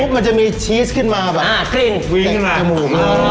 มันจะมีชีสขึ้นมาไว้ตะกะหมู